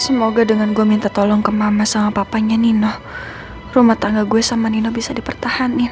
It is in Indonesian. semoga dengan gue minta tolong ke mama sama papanya nino rumah tangga gue sama nino bisa dipertahanin